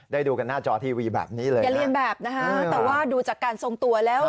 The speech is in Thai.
ดูกันหน้าจอทีวีแบบนี้เลยอย่าเรียนแบบนะฮะแต่ว่าดูจากการทรงตัวแล้ว